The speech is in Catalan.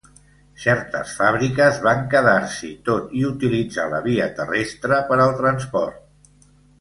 Certes fàbriques van quedar-s'hi, tot i utilitzar la via terrestre per al transport.